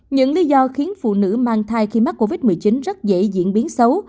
những lý do khiến phụ nữ mang thai khi mắc covid một mươi chín rất dễ diễn biến xấu